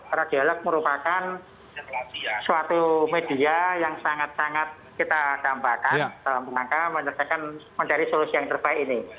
karena dialog merupakan suatu media yang sangat sangat kita dampakkan dalam pengangkangan menyebabkan mencari solusi yang terbaik ini